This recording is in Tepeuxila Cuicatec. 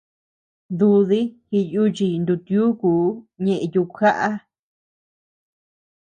Dúdi jiyuchiy nutiukuu ñeʼe yukjaʼa.